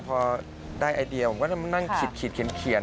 พอได้ไอเดียผมก็จะนั่งขีดเขียนอย่างนี้ฮะ